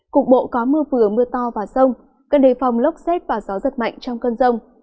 cục bộ có mưa vừa mưa to và rông cơn đề phòng lốc xếp và gió giật mạnh trong cơn rông